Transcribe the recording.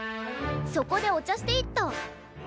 そこでお茶していった。